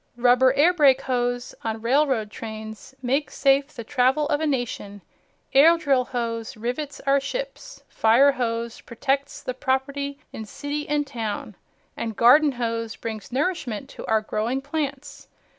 Rubber air brake hose on railroad trains makes safe the travel of a nation, air drill hose rivets our ships, fire hose protects the properly in city and town and garden hose brings nourishment to our growing plants.